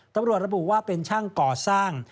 ตำรวจระบุว่าเป็นช่างก่อสร้าง